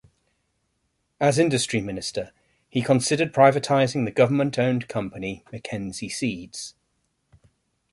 As Industry Minister, he considered privatizing the government-owned company McKenzie Seeds.